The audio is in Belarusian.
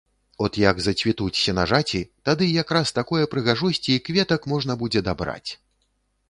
От як зацвітуць сенажаці, тады якраз такое прыгажосці і кветак можна будзе дабраць.